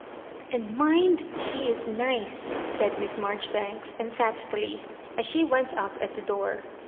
'' And mind she is nice" said Miss Marjoribanks, emphatically, as she went out at the door.